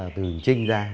từ trinh ra